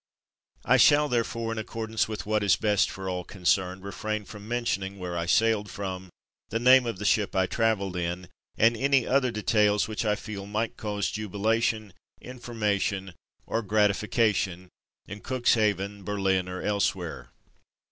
I shall, therefore, in accord ance with what is best for all concerned, refrain from mentioning where I sailed from, the name of the ship I travelled in, and any other details which I feel might cause jubila tion, information, or gratification in Cux haven, Berlin, or elsewhere.